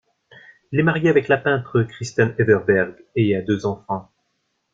Il est marié avec la peintre Kristen Everberg et a deux enfants.